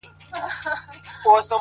توروه سترگي ښايستې په خامـوشـۍ كي،